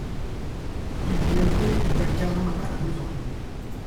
Il y avait du vacarme à la maison.